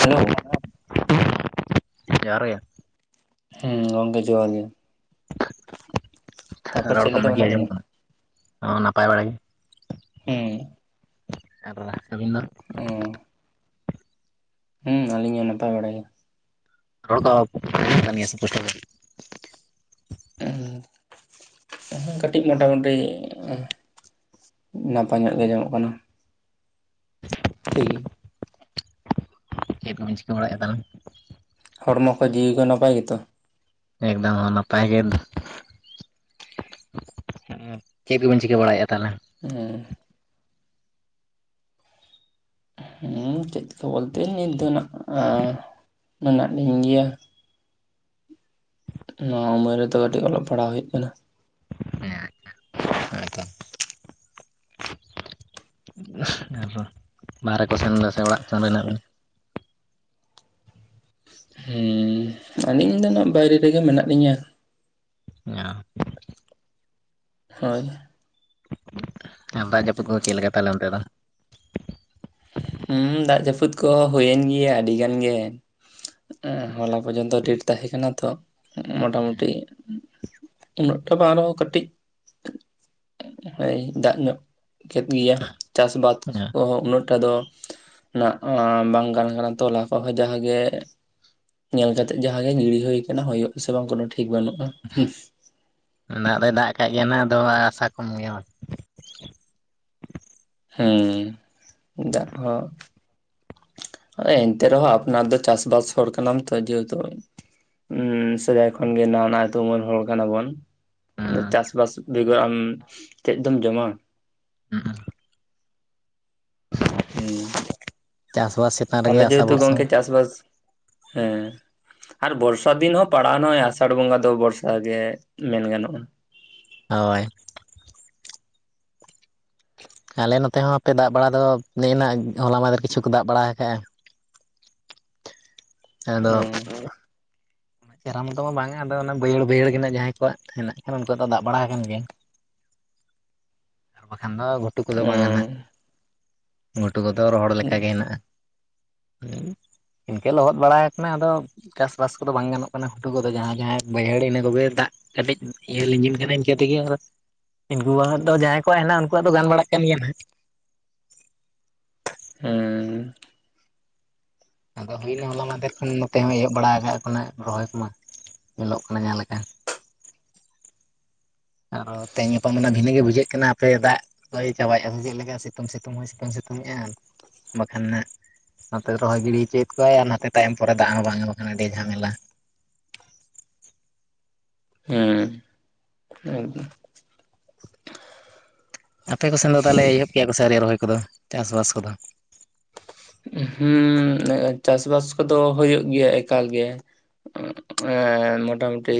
Hello ᱡᱚᱦᱟᱨ ᱜᱮ ᱦᱩᱸ ᱜᱚᱝᱠᱮ ᱡᱚᱦᱟᱨ ᱜᱮ ᱛᱟᱯᱚᱨ ᱨᱚᱲ ᱪᱮᱫ ᱠᱚ ᱞᱮᱠᱟ ᱢᱚᱡᱽ ᱜᱮ ᱢᱮᱱᱟᱜ ᱟᱸᱡᱚᱢᱚᱜ ᱵᱤᱱᱟ? ᱠᱟᱱᱟ ᱦᱚᱸ ᱱᱟᱯᱟᱭ ᱵᱟᱲᱟ ᱜᱮ [unintelligible] ᱦᱮᱸ ᱟᱨ [unintelligible] ᱨᱟᱥ ᱛᱟᱹᱵᱤᱱ ᱫᱚ ᱚᱸ ᱦᱩᱸ ᱟᱞᱤᱧ ᱦᱚᱸ ᱱᱟᱯᱟᱭ ᱵᱟᱲᱟ ᱜᱮ ᱨᱚᱨ ᱫᱚ ᱟᱸᱡᱚᱢᱚᱜ ᱠᱟᱱᱟ ᱥᱮ ᱯᱩᱥᱴᱟ. ᱣ ᱥᱟ. ᱦᱤᱡ ᱩᱻ ᱠᱟᱹᱴᱤᱡ ᱢᱚᱴᱟᱢᱩᱴᱤ ᱱᱟᱯᱟᱭ ᱧᱚᱜ ᱜᱮ ᱧᱟᱢᱚᱜ ᱠᱟᱱᱟ ᱴᱷᱤᱠ ᱪᱮᱫ ᱠᱚ ᱵᱤᱱ ᱪᱤᱠᱟᱹ ᱵᱟᱲᱟᱭᱮᱫ ᱛᱟᱦᱚᱞᱮ ᱦᱚᱲᱢᱚ ᱠᱚ ᱡᱤᱣᱤ ᱠᱚ ᱱᱟᱯᱟᱭ ᱜᱮᱛᱚ [unintelligible] ᱮᱠᱫᱚᱢ ᱦᱚᱸ ᱱᱟᱯᱟᱭ ᱜᱮ ᱪᱮᱫ ᱠᱚᱵᱮᱱ ᱪᱤᱠᱟᱹ ᱵᱟᱲᱟᱭᱮᱫ-ᱟ ᱛᱟᱦᱚᱞᱮ [inaudible] ᱩᱦᱸ ᱦᱮᱸ ᱪᱮᱫ ᱠᱚ ᱵᱚᱞᱛᱮᱧ ᱱᱤᱛ ᱫᱚ ᱱᱟᱜ ᱢᱮᱱᱟᱜ ᱞᱤᱧ ᱜᱮᱭᱟ ᱱᱚᱣᱟ ᱩᱢᱟᱹᱨ ᱨᱮᱫᱚ ᱠᱟᱹᱴᱤᱡ ᱚᱞᱚᱜ ᱯᱟᱲᱦᱟᱣ ᱦᱩᱭᱩᱜ ᱠᱟᱱᱟ [unintelligible] ᱟᱫᱚ ᱵᱟᱦᱨᱮ ᱠᱚᱥᱮᱱ ᱥᱮ ᱚᱲᱟᱜ ᱠᱚ ᱨᱮ ᱦᱮᱱᱟᱜ ᱵᱤᱱᱟ ᱦᱮᱸ ᱟᱹᱞᱤᱧ ᱫᱚ ᱟᱜ ᱵᱟᱭᱨᱮ ᱨᱮᱜᱮ ᱢᱮᱱᱟᱜ ᱞᱤᱧᱟᱹ ᱚ ᱦᱳᱭ ᱮ ᱫᱟᱜ ᱡᱟᱹᱯᱩᱫ ᱠᱚᱫᱚ ᱪᱮᱫ ᱞᱮᱠᱟ ᱛᱟᱦᱚᱞᱮ ᱚᱱᱛᱮ ᱫᱚ ᱦᱮᱸ ᱫᱟᱜ ᱡᱟᱹᱯᱩᱫ ᱠᱚ ᱦᱩᱭᱮᱱ ᱜᱮᱭᱟ ᱟᱹᱰᱤ ᱜᱟᱱ ᱜᱮ ᱦᱚᱞᱟ ᱯᱚᱨᱡᱚᱱᱛᱚ ᱰᱮᱴ ᱛᱟᱦᱮᱸ ᱠᱟᱱᱟ ᱛᱚ ᱢᱳᱴᱟᱢᱩᱴᱤ ᱩᱱᱟᱹᱜ ᱴᱟ ᱵᱟᱝ ᱟᱨᱚ ᱠᱟᱹᱴᱤᱡ ᱫᱟᱜ ᱧᱚᱜ ᱠᱮᱫ ᱜᱮᱭᱟ ᱪᱟᱥᱵᱟᱫ ᱠᱚᱦᱚᱸ ᱩᱱᱟᱹᱜ ᱴᱟ ᱫᱚ ᱢᱟᱜ ᱵᱟᱝ ᱜᱟᱱ ᱠᱟᱱᱟ ᱛᱚᱞᱟ ᱠᱚᱦᱚᱸ ᱡᱟᱦᱟᱜᱮ ᱧᱮᱞ ᱠᱟᱛᱮᱜ ᱡᱟᱦᱟᱸ ᱜᱮ ᱜᱤᱲᱤ ᱦᱩᱭ ᱠᱟᱱᱟ ᱦᱳᱭᱳᱜ ᱟᱥᱮ ᱵᱟᱝ ᱠᱳᱱᱳ ᱴᱷᱤᱠ ᱵᱟᱹᱱᱩᱜ-ᱟ᱾ ᱫᱟᱜ ᱫᱚᱭ ᱫᱟᱜ ᱠᱟᱜ ᱜᱮᱭᱟ ᱟᱫᱚ ᱟᱥᱟ ᱠᱚᱢ ᱜᱮᱭᱟ ᱦᱮᱸ ᱫᱟᱜ ᱦᱚᱸ ᱮᱱᱛᱮ ᱨᱮᱦᱚᱸ ᱟᱯᱱᱟᱨ ᱫᱚ ᱪᱟᱥᱵᱟᱥ ᱦᱚᱲ ᱠᱟᱱᱟᱢ ᱛᱚ ᱟᱭᱰᱤᱭᱟ. ᱫᱚ ᱩᱱᱥᱮᱫᱟᱭ ᱠᱷᱚᱱ ᱜᱮ ᱱᱟᱣᱟ ᱱᱟᱣᱟ ᱛᱩᱢᱟᱹᱞ ᱦᱚᱲ ᱠᱟᱱᱟ ᱵᱚᱱ᱾ ᱪᱟᱥᱵᱟᱥ ᱵᱮᱜᱚᱨ ᱟᱢ ᱪᱮᱫ ᱫᱚᱢ ᱡᱚᱢᱟ ᱦᱩᱸᱜ ᱩ ᱦᱩᱸ ᱪᱟᱥᱵᱟᱥ ᱪᱮᱛᱟᱱ ᱨᱮᱜᱮ ᱛᱟᱦᱞᱮ ᱟᱥᱟ ᱡᱮᱦᱮᱛᱩ ᱵᱷᱚᱨᱥᱟ ᱜᱚᱝᱠᱮ ᱪᱟᱥᱵᱟᱥ ᱦᱮᱸ ᱟᱨ ᱵᱚᱨᱥᱟ ᱫᱤᱱ ᱦᱚᱸ ᱯᱟᱲᱟᱣ ᱱᱟ ᱱᱚᱜᱚᱭ ᱟᱥᱟᱲ ᱵᱚᱸᱜᱟ ᱫᱚ ᱵᱚᱨᱥᱟ ᱜᱮ ᱢᱮᱱ ᱜᱟᱱᱚᱜ-ᱟ᱾ ᱦᱳᱭ ᱟᱞᱮ ᱱᱚᱛᱮ ᱦᱚᱸ ᱟᱯᱮ ᱫᱟᱜ ᱵᱟᱲᱟ ᱫᱚ ᱱᱮᱜᱱᱟᱜ ᱦᱚᱞᱟ ᱢᱟᱫᱷᱮᱨ ᱠᱤᱪᱷᱩ ᱫᱟᱜ ᱵᱟᱲᱟ ᱟᱠᱟᱜ-ᱟ ᱦᱮᱸ ᱟᱫᱚ ᱦᱩᱸ [inaudible] ᱪᱮᱦᱨᱟ ᱢᱚᱛᱚ ᱢᱟ ᱵᱟᱝᱼᱟ ᱟᱫᱚ ᱚᱱᱟ ᱵᱟᱹᱭᱦᱟᱹᱲ ᱵᱟᱹᱭᱦᱟᱹᱲ ᱜᱮ ᱡᱟᱦᱟᱸᱭ ᱠᱚᱣᱟᱜ ᱦᱮᱱᱟᱜ ᱟᱠᱟᱟᱱ ᱩᱱᱠᱩᱣᱟᱜ ᱫᱚ ᱫᱟᱜ ᱵᱟᱲᱟ ᱠᱟᱱ ᱜᱮ ᱵᱟᱠᱷᱟᱱ ᱫᱚ ᱜᱷᱩᱴᱩ ᱠᱚᱫᱚ ᱵᱟᱝᱱᱟ ᱱᱟᱜ ᱦᱩᱸ ᱜᱷᱩᱴᱩ ᱠᱚᱫᱚ ᱨᱚᱦᱚᱲ ᱞᱮᱠᱟᱜᱮ ᱦᱮᱱᱟᱜᱼᱟ ᱦᱮᱸ ᱤᱱᱠᱟᱹ ᱞᱚᱦᱚᱫ ᱵᱟᱲᱟᱠᱟᱱᱟ ᱟᱫᱚ ᱪᱟᱥᱵᱟᱥ ᱠᱚᱫᱚ ᱵᱟᱝ ᱜᱟᱱᱚᱜ ᱠᱟᱱᱟ ᱜᱷᱩᱴᱩ ᱠᱚᱫᱚ ᱡᱟᱦᱟᱸ ᱡᱟᱦᱟᱸᱭ ᱵᱟᱹᱭᱦᱟᱹᱲᱤ ᱤᱱᱟᱹ ᱠᱚᱜᱮ ᱫᱟᱜ ᱠᱟᱹᱴᱤᱡ ᱤᱭᱟ. ᱞᱤᱜᱤᱱ ᱠᱟᱱᱟ ᱤᱱᱠᱟᱹ ᱛᱮᱜᱮ ᱟᱨ ᱤᱱᱠᱩ ᱟᱜ ᱫᱚ ᱡᱟᱦᱟᱸᱭ ᱠᱚᱣᱟᱜ ᱦᱮᱱᱟᱜᱼᱟ ᱩᱱᱠᱩᱣᱟᱜ ᱫᱚ ᱜᱟᱱ ᱵᱟᱲᱟᱜ ᱠᱟᱱ ᱜᱮᱭᱟ ᱦᱟᱸᱜ ᱦᱮᱸ ᱟᱫᱚ ᱦᱩᱭᱱᱟ ᱦᱚᱞᱟ ᱢᱟᱦᱫᱷᱮᱨ ᱠᱷᱚᱱ ᱱᱚᱛᱮ ᱦᱚᱸ ᱮᱦᱚᱜ ᱵᱟᱲᱟ ᱟᱠᱟᱜ ᱵᱚᱱᱟ ᱨᱚᱦᱚᱭ ᱠᱚᱢᱟ ᱧᱮᱞᱚᱜ ᱠᱟᱱᱟ ᱡᱟᱦᱟᱸ ᱞᱮᱠᱟ ᱟᱨᱚ ᱛᱮᱦᱮᱧ ᱜᱟᱯᱟ ᱵᱷᱤᱱᱟᱹᱜ ᱜᱮ ᱵᱩᱡᱷᱟᱹᱜ ᱠᱟᱱᱟ ᱟᱯᱮ ᱫᱟᱜ ᱵᱟᱹᱭ ᱪᱟᱵᱟᱭᱮᱫᱼᱟ ᱪᱮᱫ ᱞᱮᱠᱟ ᱥᱤᱛᱩᱝ ᱥᱤᱛᱩᱝ ᱦᱚᱸᱭ ᱥᱤᱛᱩᱝ ᱥᱤᱛᱩᱝ ᱮᱼᱟ ᱵᱟᱠᱷᱟᱱ ᱱᱟᱜ ᱱᱚᱛᱮ ᱨᱚᱦᱚᱭ ᱜᱤᱰᱤ ᱦᱚᱪᱚᱭᱮᱫ ᱠᱚᱣᱟᱭ ᱟᱨ ᱱᱟᱛᱮ ᱛᱟᱭᱚᱢ ᱯᱚᱨᱮ ᱫᱟᱜ ᱦᱚᱸ ᱵᱟᱝ ᱠᱟᱱᱟ ᱟᱹᱰᱤ ᱡᱷᱟᱢᱮᱞᱟ ᱦᱮᱸ ᱦ ᱟᱯᱮ ᱠᱚ ᱥᱮᱱ ᱫᱚ ᱛᱟᱦᱚᱞᱮ ᱮᱦᱚᱵ ᱠᱮᱭᱟ ᱠᱚ ᱥᱮ ᱟᱣᱨᱤ ᱨᱚᱦᱚᱭ ᱠᱚᱫᱚ ᱪᱟᱥᱵᱟᱥ ᱠᱚᱫᱚ ᱦᱩᱸ ᱪᱟᱥ ᱵᱟᱥ ᱠᱚᱫᱚ ᱦᱩᱭᱩᱜ ᱜᱮᱭᱟ ᱮᱠᱟᱞ ᱜᱮ ᱮᱸ ᱢᱚᱴᱟ ᱢᱩᱩᱴᱤ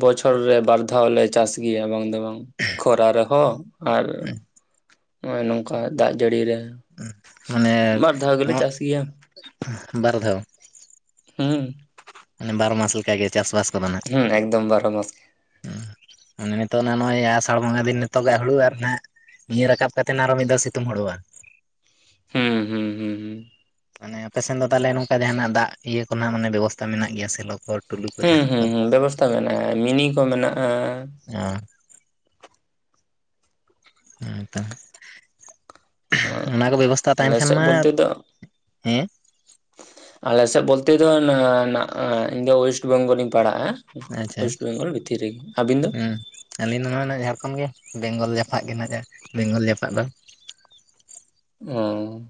ᱵᱚᱪᱷᱚᱨ ᱨᱮ ᱵᱟᱨ ᱫᱷᱟᱣ ᱞᱮ ᱪᱟᱥ ᱜᱮᱭᱟ ᱵᱟᱝ ᱫᱚ ᱵᱟᱝ ᱠᱷᱚᱨᱟ ᱨᱮᱦᱚᱸ ᱟᱨ ᱱᱚᱜᱚᱭ ᱱᱚᱝᱠᱟ ᱫᱟᱜ ᱡᱟᱹᱲᱤ ᱨᱮ ᱢᱟᱱᱮ ᱵᱟᱨᱫᱷᱟᱣ ᱜᱮ ᱞᱮ ᱪᱟᱥ ᱜᱮᱭᱟ ᱵᱟᱨ ᱫᱷᱟᱣ ᱦᱩ ᱢᱟᱱᱮ ᱵᱟᱨᱢᱟᱥ ᱞᱮᱠᱟᱜᱮ ᱪᱟᱥᱵᱟᱥ ᱠᱚᱫᱚ ᱱᱟᱜ ᱦᱩᱸ ᱮᱠᱫᱚᱢ ᱵᱟᱨᱚ ᱢᱟᱥᱜᱮ ᱢᱟᱱᱮ ᱱᱤᱛᱚᱜ ᱱᱟ ᱱᱚᱜᱼᱚᱭ ᱟᱥᱟᱲ ᱵᱚᱸᱜᱟ ᱫᱤᱱ ᱱᱤᱛᱚᱜᱟᱜ ᱦᱩᱲᱩ ᱟᱨ ᱱᱟᱜ ᱱᱤᱭᱟᱹ ᱨᱟᱠᱟᱵ ᱠᱟᱛᱮ ᱟᱨᱚ ᱢᱤᱫᱷᱟᱣ ᱥᱤᱛᱩᱝ ᱦᱩᱲᱩ ᱵᱟ ᱦᱩᱸ ᱦᱩᱸ ᱦᱩᱸ ᱦᱩᱸ ᱢᱟᱱᱮ ᱟᱯᱮᱥᱮᱱ ᱫᱚ ᱛᱟᱦᱚᱞᱮ ᱱᱚᱝᱠᱟ ᱡᱟᱦᱟᱱᱟᱜ ᱫᱟᱜ ᱤᱭᱟᱹ ᱠᱚᱨᱮᱱᱟᱜ ᱢᱟᱱᱮ ᱵᱮᱵᱚᱥᱛᱟ ᱢᱮᱱᱟᱜ ᱜᱮᱭᱟ ᱥᱮᱞᱚ‌ ᱠᱚ ᱴᱩᱞᱩ ᱠᱚ ᱦᱩᱸ ᱡᱟᱦᱟᱱᱟᱜ ᱠᱚ ᱦᱩᱸᱸ ᱵᱮᱵᱚᱥᱛᱟ ᱢᱮᱱᱟᱜᱼᱟ ᱢᱤᱱᱤ ᱠᱚ ᱢᱮᱱᱟᱜᱼᱟ ᱚ ᱦᱮᱸᱛᱚ ᱚᱱᱟ ᱠᱚ ᱵᱮᱵᱚᱥᱛᱷᱟ ᱛᱟᱦᱮᱸᱱ ᱠᱷᱟᱱ ᱟᱞᱮᱥᱮᱫ ᱢᱟ ᱵᱚᱞᱛᱮ ᱫᱚ ᱦᱮᱸ ᱟᱞᱮ ᱥᱮᱫ ᱵᱚᱞᱛᱮ ᱫᱚ ᱤᱧ ᱫᱚ ᱚᱭᱮᱥᱴ ᱵᱮᱝᱜᱚᱞᱤᱧ ᱯᱟᱲᱟᱜᱼᱟ ᱟᱪᱪᱷᱟ ᱚᱭᱮᱥᱴ ᱵᱮᱝᱜᱚᱞ ᱵᱷᱤᱛᱤᱨ ᱨᱮ ᱜᱮ ᱟᱹᱵᱤᱱ ᱫᱚ ᱦᱩᱸ ᱟᱹᱞᱤᱧ ᱫᱚ ᱱᱚᱣᱟ ᱡᱷᱟᱲᱠᱷᱚᱸᱰ ᱜᱮ ᱵᱮᱝᱜᱚᱞ ᱡᱟᱯᱟᱜ ᱜᱮ ᱱᱟᱜᱟᱨ ᱵᱮᱝᱜᱚᱞ ᱡᱟᱯᱟᱜ ᱫᱚ ᱚ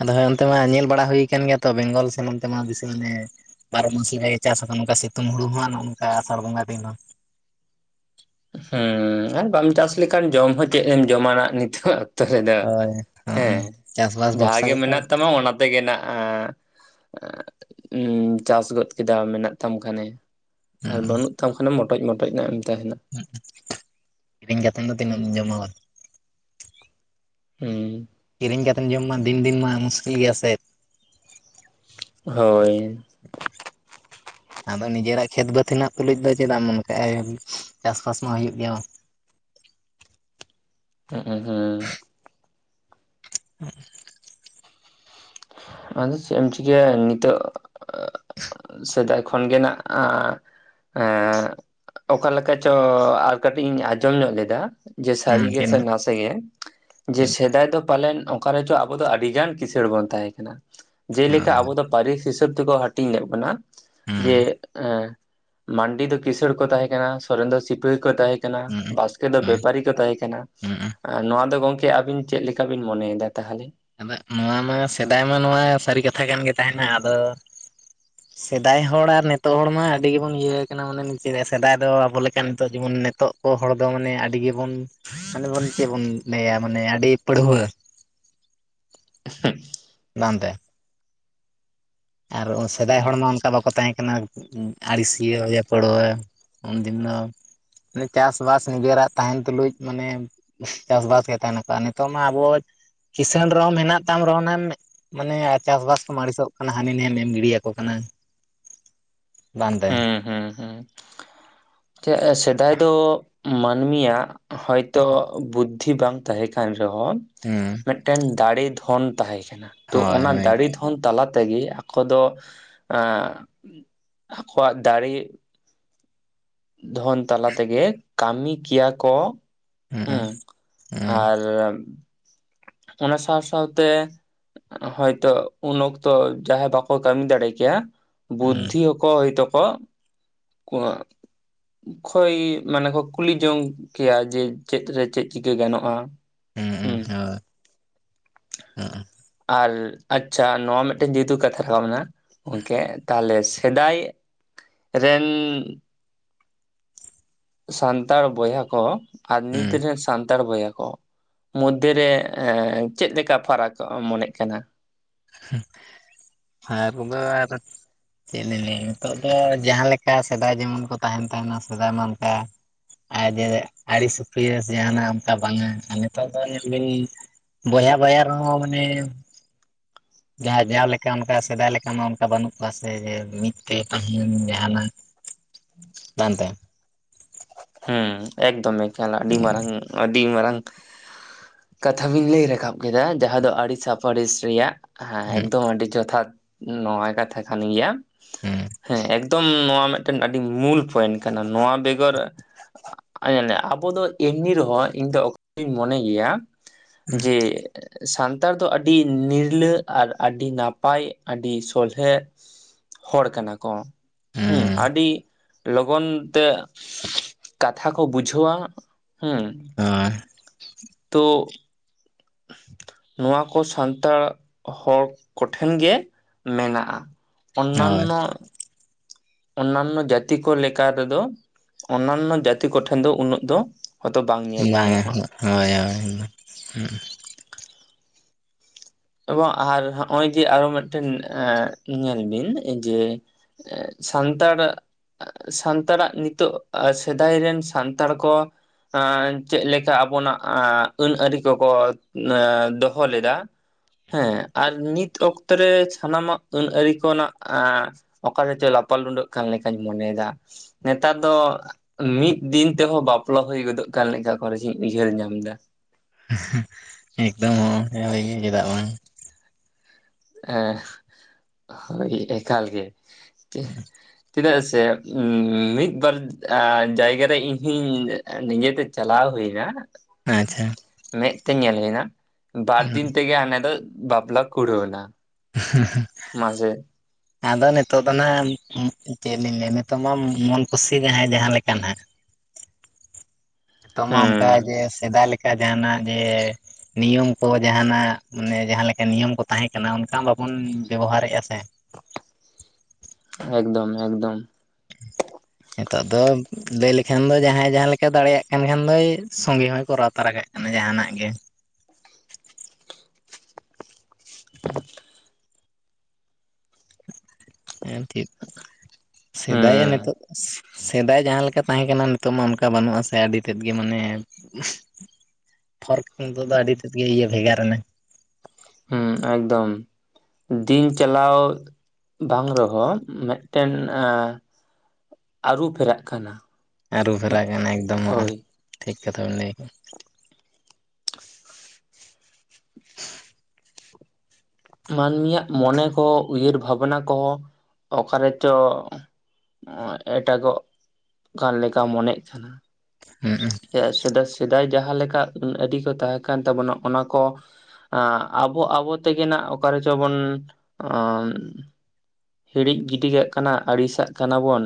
ᱟᱫᱚ ᱦᱮᱭ ᱚᱱᱛᱮ ᱢᱟ ᱧᱮᱞ ᱵᱟᱲᱟ ᱦᱩᱭ ᱠᱟᱱ ᱜᱮᱭᱟ ᱛᱚ ᱵᱮᱝᱜᱚᱞ ᱥᱮᱱ ᱚᱱᱛᱮ ᱢᱟ ᱫᱤᱥᱟᱢᱱᱮ ᱵᱟᱨᱚ ᱢᱟᱥᱤ ᱨᱮ ᱪᱟᱥ [inaudible] ᱱᱚᱝᱠᱟ ᱥᱤᱛᱩᱝ ᱦᱩᱲᱩ ᱦᱚᱸ ᱱᱚᱜᱼᱚ ᱱᱚᱝᱠᱟ ᱟᱥᱟᱲ ᱵᱚᱸᱜᱟ ᱫᱤᱱ ᱦᱚᱸ ᱦᱮᱸ ᱟᱨ ᱵᱟᱢ ᱪᱟᱥ ᱞᱮᱠᱷᱟᱱ ᱡᱚᱢ ᱦᱚᱸ ᱪᱮᱫ ᱮᱢ ᱡᱚᱢᱟᱟᱱᱟ ᱱᱤᱛᱚᱜ [inaudible] ᱨᱮᱫᱚ ᱦᱳᱭ ᱦᱚᱸᱜᱼᱚᱭ ᱦᱮᱸ ᱪᱟᱥᱵᱟᱥ ᱡᱟᱦᱟᱸ ᱵᱷᱚᱨᱥᱟ ᱜᱮ ᱜᱮᱛᱚ ᱢᱮᱱᱟᱜ ᱛᱟᱢᱟ ᱚᱱᱟ ᱛᱮᱜᱮᱱᱟᱜ ᱩᱸᱪᱟᱥ ᱜᱚᱫ ᱠᱮᱫᱟ ᱢᱮᱱᱟᱜ ᱛᱟᱢ ᱠᱷᱟᱱᱮ ᱟᱨ ᱦᱩᱸ ᱵᱟᱹᱱᱩᱜ ᱛᱟᱢ ᱠᱷᱟᱱᱮᱢ ᱢᱚᱴᱚᱡ ᱢᱚᱴᱚᱡ ᱱᱟᱜᱼᱮᱢ ᱛᱟᱦᱮᱸᱱᱟ ᱠᱤᱨᱤᱧ ᱠᱟᱛᱮᱱ ᱫᱚ ᱛᱤᱱᱟᱹᱜ ᱮᱢ ᱡᱚᱢᱟ ᱵᱟ ᱦᱩᱸ ᱠᱤᱨᱤᱧ ᱠᱟᱛᱮᱢ ᱡᱚᱢ ᱢᱟ ᱫᱤᱱ ᱫᱤᱱ ᱢᱟ ᱢᱩᱥᱠᱤᱞ ᱜᱮᱭᱟ ᱥᱮ ᱦᱳᱭ ᱟᱫᱚ ᱱᱤᱡᱮᱨᱟᱜ ᱠᱷᱮᱛ ᱵᱟᱹᱛ ᱦᱤᱱᱟᱜ ᱛᱩᱞᱩᱪ ᱫᱚ ᱪᱮᱫᱟᱜ ᱮᱢ ᱩᱱᱠᱟᱭ ᱪᱟᱥᱵᱟᱥ ᱢᱟ ᱦᱩᱭᱩᱜ ᱜᱮᱭᱟ ᱦᱸ ᱦᱩᱸ ᱦᱮᱸ ᱟᱫᱚ ᱪᱮᱫ ᱮᱢ ᱪᱤᱠᱟᱹᱭᱟ ᱱᱤᱛᱚᱜ ᱥᱮᱫᱟᱭ ᱠᱷᱚᱱ ᱜᱮ ᱱᱟᱜᱼᱟ ᱮᱸ ᱚᱠᱟ ᱞᱮᱠᱟ ᱪᱚ ᱟᱨ ᱠᱟᱹᱴᱤᱡ ᱤᱧ ᱟᱸᱡᱚᱢ ᱧᱚᱜ ᱞᱮᱫᱟ ᱡᱮ ᱥᱟᱹᱨᱤ ᱦᱩᱸ ᱜᱮ ᱪᱮᱫ ᱥᱮ ᱦᱟᱸᱜ ᱱᱟᱥᱮ ᱜᱮ ᱡᱮ ᱪᱮᱫ ᱥᱮᱫᱟᱭ ᱫᱚ ᱯᱟᱞᱮᱱ ᱚᱠᱟ ᱨᱮᱪᱚ ᱟᱵᱚ ᱫᱚ ᱟᱹᱰᱤ ᱜᱟᱱ ᱠᱤᱥᱟᱹᱬ ᱵᱚᱱ ᱛᱟᱦᱮᱸ ᱠᱟᱱᱟ ᱡᱮᱞᱮᱠᱟ ᱦᱳᱭ ᱟᱵᱚ ᱫᱚ ᱯᱟᱹᱨᱤᱥ ᱦᱤᱥᱟᱹᱵ ᱛᱮᱠᱚ ᱦᱟ [unintelligible] ᱦᱩᱸ ᱡᱮ ᱮ ᱢᱟᱱᱰᱤ ᱫᱚ ᱠᱤᱥᱟᱹᱲ ᱠᱚ ᱛᱟᱦᱮᱸ ᱠᱟᱱᱟ ᱥᱚᱨᱮᱱ ᱫᱚ ᱥᱤᱯᱟᱹᱦᱤ ᱠᱚ ᱛᱟᱦᱮᱸ ᱠᱟᱱᱟ ᱦᱩᱸ ᱵᱟᱥᱠ ᱫᱚ ᱦᱳᱭ ᱵᱮᱯᱟᱨᱤ ᱠᱚ ᱛᱟᱦᱮᱸ ᱠᱟᱱᱟ ᱦᱩᱸ ᱟᱨ ᱱᱚᱣᱟ ᱫᱚ ᱜᱚᱝᱠᱮ ᱟᱹᱵᱤᱱ ᱪᱮᱫ ᱞᱮᱠᱟ ᱵᱤᱱ ᱢᱚᱱᱮᱭᱮᱫᱟ ᱛᱟᱦᱞᱮ ᱟᱫᱚᱜ ᱱᱚᱣᱟ ᱢᱟ ᱥᱮᱫᱟᱭ ᱢᱟ ᱱᱚᱣᱟ ᱥᱟᱹᱨᱤ ᱠᱟᱛᱷᱟ ᱠᱟᱱ ᱜᱮ ᱛᱟᱦᱮᱸᱱᱟ ᱟᱫᱚ [unintelligible] ᱥᱮᱫᱟᱭ ᱦᱚᱲ ᱟᱨ ᱱᱮᱛᱚᱜ ᱦᱚᱲ ᱢᱟ ᱟᱹᱰᱤ ᱜᱮᱵᱚᱱ ᱤᱭᱟᱹ ᱠᱟᱱᱟ ᱢᱟᱱᱮ ᱪᱮᱫ ᱥᱮᱫᱟᱭ ᱫᱚ ᱟᱵᱚ ᱞᱮᱠᱟ ᱱᱤᱛᱚᱜ ᱡᱮᱢᱚᱱ ᱱᱤᱛᱚᱜ ᱟᱵᱚ ᱦᱚᱲ ᱫᱚ ᱢᱟᱱᱮ ᱟᱹᱰᱤ ᱜᱮᱵᱚᱱ ᱢᱟᱱᱮ ᱵᱚᱱ ᱪᱮᱫ ᱵᱚᱱ ᱞᱟᱹᱭᱟ ᱢᱟᱱᱮ ᱟᱹᱰᱤ ᱯᱟᱹᱲᱦᱩᱣᱟ. [unintelligible] ᱟᱨ ᱥᱮᱫᱟᱭ ᱦᱚᱲᱢᱟ ᱚᱝᱠᱟ ᱵᱟᱠᱚ ᱛᱟᱦᱮᱸ ᱠᱟᱱᱟ ᱟᱹᱲᱤᱥᱤᱭᱟᱹ ᱦᱩᱭᱟ ᱯᱟᱹᱲᱣᱟᱹ ᱩᱱᱫᱤᱱ ᱫᱚ ᱪᱟᱥ ᱵᱟᱥ ᱱᱤᱡᱮᱨᱟᱜ ᱛᱟᱦᱮᱸᱱ ᱛᱩᱞᱩᱡ ᱢᱟᱱᱮ ᱪᱟᱥᱵᱟᱥ ᱜᱮ ᱛᱟᱦᱮᱸᱱᱟᱠᱚ ᱟᱨ ᱱᱤᱛᱚᱜ ᱢᱟ ᱟᱵᱚ ᱠᱤᱥᱟᱹᱲ ᱨᱮᱦᱚᱸᱢ ᱦᱮᱱᱟᱜ ᱛᱟᱢ ᱨᱮᱦᱚᱸ ᱱᱟᱜ ᱢᱟᱱᱮ ᱪᱟᱥᱵᱟᱥ ᱠᱚᱢ ᱟᱹᱲᱤᱥᱚᱜ ᱚᱱᱟ ᱦᱟᱹᱱᱤ ᱱᱟᱹᱭᱮᱢ ᱮᱢ ᱜᱤᱰᱤᱭᱟᱠᱚ ᱠᱟᱱᱟ ᱵᱟᱝ ᱛᱮ ᱦᱩᱸ ᱦᱩᱸ [unintelligible] ᱥᱮᱫᱟᱭ ᱫᱚ ᱢᱟᱹᱱᱢᱤ ᱭᱟᱜ ᱦᱚᱭᱛᱚ ᱵᱩᱫᱽᱫᱷᱤ ᱵᱟᱝ ᱛᱟᱦᱮᱸ ᱠᱟᱱ ᱨᱮᱦᱚᱸ ᱦᱩᱸ ᱢᱤᱫᱴᱟᱹᱝ ᱫᱟᱲᱮ ᱫᱷᱚᱱ ᱛᱟᱦᱮᱸ ᱠᱟᱱᱟ ᱛᱚ ᱚᱱᱟ ᱫᱟᱲᱮ ᱫᱷᱚᱱ ᱚᱱ ᱛᱟᱞᱟ ᱛᱮᱜᱮ ᱟᱠᱚ ᱫᱚ ᱟᱠᱚᱣᱟᱜ ᱫᱟᱲᱮ ᱫᱷᱚᱱ ᱛᱟᱞᱟ ᱛᱮᱜᱮ ᱠᱟᱹᱢᱤ ᱠᱮᱭᱟ ᱠᱚ ᱦᱩᱸ ᱟᱨ ᱚᱱᱟ ᱥᱟᱶ ᱥᱟᱶᱛᱮ ᱦᱚᱭᱛᱚ ᱩᱱ ᱚᱠᱛᱚ ᱡᱟᱦᱟᱸᱭ ᱵᱟᱠᱚ ᱠᱟᱹᱢᱤ ᱫᱟᱲᱮ ᱠᱮᱭᱟ ᱵᱩᱫᱽᱫᱷᱤ ᱠᱚ ᱦᱚᱭ ᱛᱚᱠᱚ ᱠᱚ ᱠᱷᱚᱭ ᱢᱟᱱᱮ ᱠᱚ ᱠᱩᱞᱤ ᱡᱚᱝ ᱠᱮᱭᱟ ᱡᱮ ᱪᱮᱫ ᱨᱮ ᱪᱮᱫ ᱪᱤᱠᱟᱹ ᱜᱟᱱᱚᱜᱼᱟ ᱦᱩᱸ ᱦᱮᱸ ᱦᱳᱭ ᱦᱩᱸ ᱟᱨ ᱟᱪᱪᱷᱟ ᱱᱚᱣᱟ ᱢᱤᱫᱴᱟᱹᱝ ᱡᱮᱦᱮᱛᱩ ᱠᱟᱛᱷᱟ ᱨᱟᱠᱟᱵ ᱮᱱᱟ ᱜᱚᱝᱠᱮ ᱛᱟᱦᱞᱮ ᱥᱮᱫᱟᱭ ᱨᱮᱱ ᱥᱟᱱᱛᱟᱲ ᱵᱚᱭᱦᱟ ᱠᱚ ᱟᱨ ᱱᱤᱛ ᱨᱮᱱ ᱥᱟᱱ ᱛᱟᱲ ᱵᱚᱭᱦᱟ ᱠᱚ ᱢᱚᱫᱽᱫᱷᱮᱨᱮ ᱪᱮᱫ ᱞᱮᱠᱟ ᱯᱷᱟᱨᱟᱠ ᱢᱚᱱᱮᱜ ᱠᱟᱱᱟ [unintelligible] ᱪᱮᱫ ᱞᱤᱧ ᱞᱟᱹᱭᱟ ᱱᱤᱛᱚᱜ ᱫᱚ ᱡᱟᱦᱟᱸ ᱞᱮᱠᱟ ᱥᱮᱫᱟᱭ ᱡᱮᱢᱚᱱ ᱠᱚ ᱛᱟᱦᱮᱸᱱ ᱛᱟᱦᱮᱱᱟ ᱥᱮᱫᱟᱭ ᱢᱟ ᱚᱱᱠᱟ [unintelligible] ᱟᱹᱲᱤᱥ [unintelligible] ᱵᱟᱝᱼᱟ ᱟᱨ ᱱᱤᱛᱚᱜ ᱫᱚ ᱧᱮᱞ ᱵᱤᱱ ᱵᱚᱭᱦᱟ ᱵᱚᱭᱦᱟ ᱨᱮᱦᱚᱸ ᱢᱟᱱᱮ ᱡᱟᱦᱟ ᱡᱟᱣ ᱞᱮᱠᱟ ᱚᱱᱠᱟ ᱥᱮᱫᱟᱭ ᱞᱮᱠᱟ ᱢᱟ ᱚᱱᱠᱟ ᱵᱟᱹᱱᱩᱜ ᱠᱚᱣᱟ ᱥᱮ ᱡᱮ ᱢᱤᱫ ᱛᱮ ᱛᱟᱦᱮᱱ ᱡᱟᱦᱟᱱᱟᱜ [unintelligible] ᱵᱟᱝᱛᱮ ᱦᱮᱸ ᱮᱠᱫᱚᱢ ᱮᱠᱷᱟᱱ ᱟᱹᱰᱤ ᱦᱳᱭ ᱢᱟᱨᱟᱝ ᱟᱹᱰᱤ ᱢᱟᱨᱟᱝ ᱠᱟᱛᱷᱟ ᱵᱤᱱ ᱞᱟᱹᱭ ᱨᱟᱠᱟᱵ ᱠᱮᱫᱟ ᱡᱟᱦᱟᱸ ᱫᱚ ᱟᱹᱲᱤᱥ ᱥᱟᱯᱟᱲᱤᱥ ᱨᱮᱭᱟᱜ ᱦᱮᱸ ᱮᱠᱫᱚᱢ ᱟᱹᱰᱤ ᱡᱚᱛᱷᱟᱛ ᱱᱚᱣᱟ ᱠᱟᱛᱷᱟ ᱠᱟᱱ ᱜᱮᱭᱟ᱾ ᱦᱮᱸ ᱮᱠᱫᱚᱢ ᱱᱚᱣᱟ ᱢᱤᱫᱴᱮᱱ ᱟᱹᱰᱤ ᱢᱩᱞ ᱯᱚᱭᱮᱱᱴ ᱠᱟᱱᱟ ᱱᱚᱣᱟ ᱵᱮᱜᱚᱨ [unintelligible] ᱟᱵᱚ ᱫᱚ ᱮᱢᱱᱤ ᱨᱮᱦᱚᱸ ᱤᱧ ᱫᱚ [unintelligible] ᱢᱚᱱᱮ ᱜᱮᱭᱟ ᱡᱮ ᱥᱟᱱᱛᱟᱲ ᱫᱚ ᱟᱹᱰᱤ ᱱᱤᱨᱞᱟᱹ ᱟᱨ ᱟᱹᱰᱤ ᱱᱟᱯᱟᱭ ᱟᱹᱰᱤ ᱥᱚᱞᱦᱮ ᱦᱚᱲ ᱠᱟᱱᱟ ᱠᱚ ᱦᱩᱸ ᱟᱹᱰᱤ ᱞᱚᱜᱚᱱ ᱛᱮ ᱠᱟᱛᱷᱟ ᱠᱚ ᱵᱩᱡᱷᱟᱹᱣᱟ ᱦᱩᱸ [unintelligible] ᱛᱚ ᱱᱚᱣᱟ ᱠᱚ ᱥᱟᱱᱛᱟᱲ ᱦᱚᱲ ᱠᱚᱴᱷᱮᱱ ᱜᱮ ᱢᱮᱱᱟᱜᱼᱟ ᱦᱳᱭ ᱚᱱᱱᱟᱱᱚ ᱚᱱᱱᱟᱱᱚ ᱡᱟᱹᱛᱤ ᱠᱚ ᱞᱮᱠᱟ ᱛᱮᱫᱚ ᱚᱱᱱᱟᱱᱚ ᱡᱟᱹᱛᱤ ᱠᱚᱴᱷᱮᱱ ᱫᱚ ᱩᱱᱟᱹᱜ ᱫᱚ ᱦᱚᱭᱛᱚ ᱵᱟᱝ ᱧᱮᱞ ᱧᱟᱢᱚᱜᱼᱟ [unintelligible] ᱮᱵᱚᱝ ᱟᱨ ᱱᱚᱜᱼᱚᱭ ᱡᱮ ᱟᱨᱚ ᱢᱤᱫᱴᱮᱱ ᱧᱮᱞ ᱵᱤᱱ ᱡᱮ ᱮᱸ ᱥᱟᱱᱛᱟᱲ ᱥᱟᱱᱛᱟᱲ ᱟᱜ ᱱᱤᱛᱚᱜ ᱥᱮᱫᱟᱭ ᱨᱮᱱ ᱥᱟᱱᱛᱟᱲ ᱠᱚ ᱪᱮᱫ ᱞᱮᱠᱟ ᱟᱵᱚᱱᱟᱜ ᱟᱹᱱ ᱟᱹᱨᱤ ᱠᱚᱠᱚ ᱫᱚᱦᱚ ᱞᱮᱫᱟ ᱦᱮᱸ ᱟᱨ ᱱᱤᱛ ᱚᱠᱛᱚ ᱨᱮ ᱥᱟᱱᱟᱢᱟᱜ ᱟᱹᱱ ᱟᱹᱨᱤ ᱠᱚ ᱱᱟᱜ ᱚᱠᱟ ᱨᱮᱪᱚ ᱞᱟᱯᱟ ᱞᱩᱸᱰᱟᱹᱜ ᱠᱟᱱ ᱞᱮᱠᱟᱧ ᱢᱚᱱᱮᱭᱮᱫᱟ ᱱᱮᱛᱟᱨ ᱫᱚ ᱢᱤᱫ ᱫᱤᱱ ᱛᱮᱦᱚᱸ ᱵᱟᱯᱞᱟ ᱦᱩᱭ ᱜᱚᱫᱚᱜ ᱠᱟᱱ ᱞᱮᱠᱟ ᱚᱠᱟ ᱠᱚᱨᱮᱫᱚᱝ ᱤᱧ ᱩᱭᱦᱟᱹᱨ ᱧᱟᱢ ᱮᱫᱟ᱾ ᱮᱠᱫᱚᱢ ᱦᱚᱸᱭ ᱜᱮ ᱪᱮᱫᱟᱜ ᱵᱟᱝ᱾ ᱦᱮᱸ ᱦᱳᱭ ᱮᱠᱟᱞ ᱜᱮ ᱪᱮᱫᱟᱜ ᱥᱮ ᱢᱤᱫ ᱵᱟᱨ ᱡᱟᱭᱜᱟ ᱨᱮ ᱤᱧ ᱦᱚᱸᱧ ᱱᱤᱡᱮᱛᱮ ᱪᱟᱞᱟᱣ ᱦᱩᱭ ᱮᱱᱟ ᱟᱪᱪᱷᱟ ᱢᱮᱸᱫ ᱛᱮ ᱧᱮᱞ ᱦᱩᱭᱱᱟ ᱵᱟᱨ ᱦᱩᱸ ᱫᱤᱱ ᱛᱮᱜᱮ ᱦᱟᱱᱮ ᱫᱚ ᱵᱟᱯᱞᱟ ᱠᱩᱲᱟᱣᱱᱟ ᱦᱮᱸᱻ [unintelligible] ᱢᱟᱡᱮ ᱟᱫᱚ ᱱᱤᱛᱚᱜ ᱫᱚ ᱱᱟᱜ ᱪᱮᱫ ᱞᱤᱧ ᱞᱟᱹᱭᱼᱟ ᱱᱤᱛᱚᱜ ᱢᱟ ᱢᱚᱱ ᱠᱩᱥᱤ ᱡᱟᱦᱟᱸᱭ ᱡᱟᱦᱟᱸ ᱞᱮᱠᱟᱱᱟᱜ ᱱᱤᱛᱚᱜ ᱢᱟ ᱚᱱᱠᱟ ᱦᱩᱸ ᱡᱮ ᱥᱮᱫᱟᱭ ᱞᱮᱠᱟ ᱡᱟᱦᱟᱱᱟᱜ ᱡᱮ ᱱᱤᱭᱚᱢ ᱠᱚ ᱡᱟᱦᱟᱱᱟᱜ ᱢᱟᱱᱮ ᱡᱟᱦᱟᱸ ᱞᱮᱠᱟ ᱱᱤᱭᱚᱢ ᱠᱚ ᱛᱟᱦᱮᱸ ᱠᱟᱱᱟ ᱚᱱᱠᱟ ᱵᱟᱵᱚᱱ ᱵᱮᱵᱚᱦᱟᱨ ᱮᱫᱟ ᱥᱮ᱾ ᱮᱠᱫᱚᱢ ᱮᱠᱫᱚᱢ᱾ [unintelligible] ᱱᱤᱛᱚᱜ ᱫᱚ ᱞᱟᱹᱭ ᱞᱮᱠᱷᱟᱱ ᱫᱚ ᱡᱟᱦᱟᱸᱭ ᱡᱟᱦᱟᱸ ᱞᱮᱠᱟ ᱫᱟᱲᱮᱭᱟᱜ ᱠᱟᱱ ᱠᱷᱟᱱ ᱫᱚᱭ ᱥᱚᱸᱜᱮ ᱦᱚᱸᱭ ᱠᱚᱨᱟᱣ ᱛᱟᱨᱟ ᱠᱟᱜ ᱢᱟᱱᱮ ᱡᱟᱦᱟᱱᱟᱜ ᱜᱮ [unintelligible] ᱦᱮᱸ ᱴᱷᱤᱠ ᱥᱮᱫᱟᱭᱟ ᱦᱩᱸ ᱱᱤᱛᱚᱜ ᱥᱮᱫᱟᱭ ᱡᱟᱦᱟᱸ ᱞᱮᱠᱟ ᱛᱟᱦᱮᱸ ᱠᱟᱱᱟ ᱱᱤᱛᱚᱜ ᱢᱟ ᱚᱱᱠᱟ ᱵᱟᱹᱱᱩᱜᱼᱟ ᱥᱮ ᱟᱹᱰᱤ ᱛᱮᱫ ᱜᱮ ᱢᱟᱱᱮ [inaudible] ᱯᱷᱟᱨᱠ ᱱᱤᱛᱚᱜ ᱫᱚ ᱟᱹᱰᱤ ᱛᱮᱫ ᱜᱮ ᱤᱭᱟᱹ ᱵᱷᱮᱜᱟᱨ ᱮᱱᱟ᱾ ᱦᱩᱸ ᱮᱠᱫᱚᱢ ᱫᱤᱱ ᱪᱟᱞᱟᱣ ᱵᱟᱝ ᱨᱮᱦᱚᱸ ᱢᱤᱫᱴᱮᱱ ᱟᱸ ᱟᱹᱨᱩ ᱯᱷᱮᱨᱟᱜ ᱠᱟᱱᱟ ᱟᱹᱨᱩ ᱯᱷᱮᱨᱟᱜ ᱠᱟᱱᱟ ᱮᱠᱫᱚᱢ ᱦᱚᱸᱜ ᱦᱳᱭ ᱴᱷᱤᱠ ᱠᱟᱛᱷᱟ ᱵᱮᱱ ᱞᱟᱹᱭ ᱟᱠᱫᱟᱜᱼᱟ᱾ [inaudible] ᱢᱟᱹᱱᱢᱤᱭᱟᱜ ᱢᱚᱱᱮ ᱠᱚᱸ ᱩᱭᱦᱟᱹᱨ ᱵᱷᱟᱵᱱᱟ ᱠᱚᱦᱚᱸ ᱚᱠᱟᱨᱮ ᱪᱚ ᱮᱴᱟᱜᱚᱜ ᱠᱟᱱ ᱞᱮᱠᱟ ᱢᱚᱱᱮᱜ ᱠᱟᱱᱟ᱾ ᱦᱩᱸ ᱦᱩᱸ ᱪᱮᱫᱟᱜ ᱥᱮᱫᱟᱭ ᱥᱮᱫᱟᱭ ᱡᱟᱦᱟᱸ ᱞᱮᱠᱟ ᱟᱱ ᱟᱹᱨᱤ ᱠᱚ ᱛᱟᱦᱮᱸ ᱠᱟᱱ ᱛᱟᱵᱚᱱᱟ ᱚᱱᱟ ᱠᱚ ᱟᱸ ᱟᱵᱚ ᱟᱵᱚ ᱛᱮᱜᱮ ᱱᱟᱜ ᱚᱠᱟ ᱨᱮᱪᱚ ᱵᱚᱱ ᱦᱤᱲᱤᱡ ᱜᱤᱰᱤ ᱠᱟᱜ ᱠᱟᱱᱟ ᱟᱹᱲᱤᱥᱟᱜ ᱠᱟᱱᱟ ᱵᱚᱱ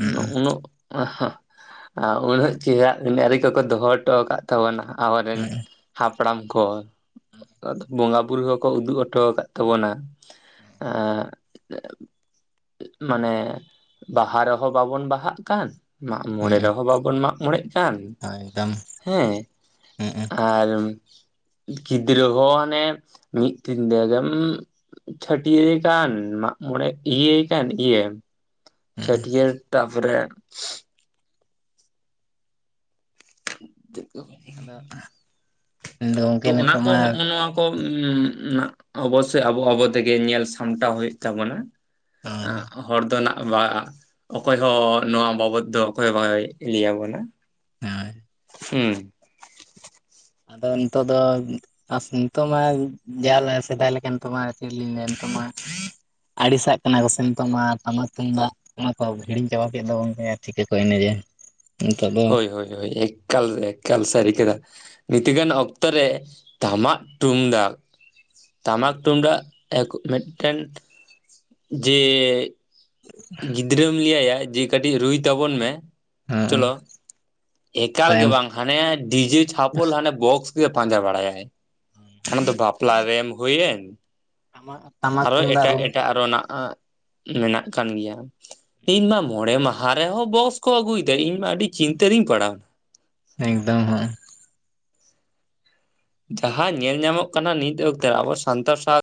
ᱦᱩᱸ ᱩᱱᱟᱹᱜ ᱩᱱᱟᱹᱜ ᱪᱮᱦᱨᱟ ᱟᱱ ᱟᱹᱨᱤ ᱠᱚᱠᱚ ᱫᱚᱦᱚ ᱦᱚᱴᱚ ᱟᱠᱟᱫ ᱛᱟᱵᱚᱱᱟ ᱟᱵᱚᱨᱮᱱ ᱦᱩᱸ ᱦᱟᱯᱲᱟᱢ ᱠᱚ ᱵᱚᱸᱜᱟ ᱵᱩᱨᱩ ᱦᱚᱸᱠᱚ ᱩᱫᱩᱜ ᱦᱚᱴᱚ ᱟᱠᱟᱫ ᱛᱟᱵᱚᱱᱟ᱾ ᱟ ᱢᱟᱱᱮ ᱵᱟᱦᱟ ᱨᱮᱦᱚᱸ ᱵᱟᱵᱚᱱ ᱵᱟᱦᱟᱜ ᱠᱟᱱ ᱢᱟᱜ ᱢᱚᱬᱮ ᱦᱩᱸ ᱨᱮᱦᱚᱸ ᱵᱟᱵᱚᱱ ᱢᱟᱜ ᱢᱚᱬᱮᱜ ᱠᱟᱱ ᱟᱱ ᱦᱳᱭ ᱮᱠᱫᱚᱢ ᱦᱮᱸ ᱦᱩᱸ ᱟᱨ ᱜᱤᱫᱽᱨᱟᱹ ᱦᱚᱸ ᱦᱟᱱᱮ ᱢᱤᱫ ᱫᱤᱱ ᱛᱮᱜᱮᱢ ᱪᱷᱟᱹᱴᱭᱟᱹᱨ ᱮ ᱠᱟᱱ ᱢᱟᱜᱢᱚᱬᱮ ᱤᱭᱟᱹᱭ ᱠᱟᱱ ᱤᱭᱟᱹ ᱦᱩᱸ ᱪᱷᱟᱹᱴᱭᱟᱹᱨ ᱛᱟᱯᱚᱨᱮ ᱟᱫᱚ ᱟᱫᱚ ᱛᱚ ᱜᱚᱝᱠᱮ ᱚᱱᱟ ᱱᱤᱛᱚᱜ ᱠᱚ ᱢᱟ ᱦᱚᱸᱜᱼᱚ ᱱᱚᱣᱟ ᱠᱚ ᱚᱵᱚᱥᱳᱭ ᱟᱵᱚ ᱟᱵᱚ ᱛᱮᱜᱮ ᱧᱮᱞ ᱥᱟᱢᱴᱟᱣ ᱦᱩᱭᱩᱜ ᱛᱟᱵᱚᱱᱟ ᱦᱳᱭ ᱚ ᱦᱚᱲ ᱫᱚ ᱱᱟᱜ ᱵᱟ ᱚᱠᱚᱭ ᱦᱚᱸ ᱱᱚᱣᱟ ᱵᱟᱵᱚᱫ ᱫᱚ ᱚᱠᱚᱭ ᱦᱚᱸ ᱵᱟᱭ ᱞᱟᱹᱭᱟᱵᱚᱱᱟ ᱦᱮᱸ ᱦᱩᱸ ᱟᱫᱚ ᱱᱤᱛᱚᱜ ᱫᱚ ᱟ ᱱᱤᱛᱚᱜ ᱢᱟ ᱡᱟ ᱥᱮᱫᱟᱭ ᱞᱮᱠᱷᱟᱱ ᱱᱤᱛᱚᱜ ᱢᱟ ᱪᱮᱫ ᱞᱤᱧ ᱞᱟᱹᱭᱟ ᱱᱤᱛᱚᱜ ᱢᱟ ᱟᱲᱤᱥᱟᱜ ᱠᱟᱱᱟ ᱠᱚ ᱥᱮᱱ ᱱᱤᱛᱚᱜ ᱢᱟ ᱴᱟᱢᱟᱠ ᱛᱩᱢᱫᱟᱜ ᱚᱱᱟ ᱠᱚ ᱦᱤᱲᱤᱧ ᱪᱟᱵᱟ ᱠᱮᱫ ᱫᱚᱵᱚᱱᱜ ᱟᱨ ᱪᱤᱠᱟᱹ ᱠᱚ ᱮᱱᱮᱡᱟ ᱱᱤᱛᱚᱜ ᱫᱚ ᱦᱳᱭ ᱦᱳᱭ ᱦᱳᱭ ᱮᱠᱟᱞ ᱮᱠᱟᱞ ᱥᱟᱹᱨᱤ ᱠᱮᱫᱟ ᱢᱤᱫᱤᱛᱜᱟᱱ ᱚᱠᱛᱚ ᱨᱮ ᱴᱟᱢᱟᱠ ᱴᱩᱢᱫᱟᱜ ᱴᱟᱢᱟᱠ ᱛᱩᱢᱫᱟᱜ ᱮ ᱢᱤᱫᱴᱮᱱ ᱡᱮ ᱜᱤᱫᱽᱨᱟᱹᱢ ᱞᱟᱹᱭᱟᱭᱭᱟ ᱡᱮ ᱠᱟᱹᱴᱤᱡ ᱨᱩᱭ ᱛᱟᱵᱚᱱ ᱢᱮ ᱦᱮᱸ ᱪᱚᱞᱚ ᱮᱠᱟᱞ ᱜᱮ ᱛᱟᱭᱚᱢ ᱵᱟᱝ ᱦᱟᱱᱮ ᱰᱤᱡᱮ ᱪᱷᱟᱯᱚᱞ ᱦᱟᱱᱮ ᱵᱚᱠᱥ ᱯᱟᱸᱡᱟ ᱵᱟᱲᱟᱭᱟᱭ᱾ ᱚᱱᱟ ᱫᱚ ᱵᱟᱯᱞᱟ ᱨᱮᱢ ᱦᱩᱭᱮᱱ ᱴᱟᱢᱟᱠ ᱟᱨᱚ ᱛᱩᱢᱫᱟᱜ ᱮᱴᱟᱜ ᱨᱩ ᱮᱴᱟᱜ ᱟᱨᱦᱚ ᱨᱮᱱᱟᱜ ᱢᱮᱱᱟᱜ ᱠᱟᱱ ᱜᱮᱭᱟ᱾ ᱤᱧ ᱢᱟ ᱢᱚᱬᱮ ᱢᱟᱦᱟ ᱨᱮᱦᱚᱸ ᱵᱚᱠᱥ ᱠᱚ ᱟᱹᱜᱩᱭᱮᱫᱟ ᱤᱧ ᱢᱟ ᱟᱹᱰᱤ ᱪᱤᱱᱛᱟᱹ ᱨᱤᱧ ᱯᱟᱲᱟᱣ ᱮᱱᱟ ᱮᱠᱫᱚᱢ ᱦᱚ ᱡᱟᱦᱟᱸ ᱧᱮᱞ ᱧᱟᱢᱚᱜ ᱠᱟᱱᱟ ᱱᱤᱛ ᱚᱠᱛᱚ ᱟᱵᱚ ᱥᱟᱱᱛᱟᱲ ᱥᱟᱶᱛᱟ